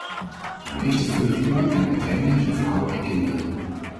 De meeste vluchtelingen en ontheemden zijn vrouwen en kinderen.